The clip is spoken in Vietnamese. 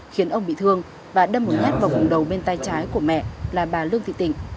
khiến ông bị thương và đâm một nhát vào vùng đầu bên tay trái của mẹ là bà lương thị tình